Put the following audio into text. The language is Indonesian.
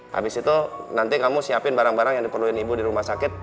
habis itu nanti kamu siapin barang barang yang diperlukan ibu di rumah sakit